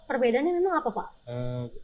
perbedaannya memang apa pak